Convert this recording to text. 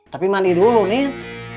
tapi mandi dulu min